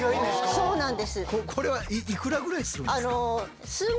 そうなんです。